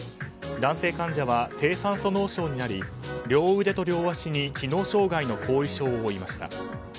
男性患者は低酸素脳症になり両腕と両足に機能障害の後遺症を負いました。